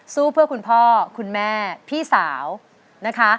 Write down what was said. สู้เพื่อคุณพ่อคุณแม่พี่สาวนะคะ